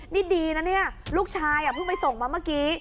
นี่ดีนะเนี่ยลูกชายเพิ่งไปส่งมาเมื่อกี้